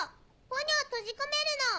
ポニョを閉じ込めるの！